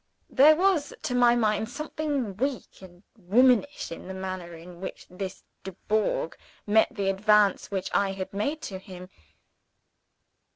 There was, to my mind, something weak and womanish in the manner in which this Dubourg met the advance which I had made to him.